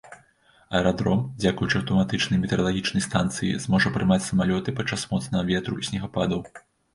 Аэрадром, дзякуючы аўтаматычнай метэаралагічнай станцыі, зможа прымаць самалёты падчас моцнага ветру і снегападаў.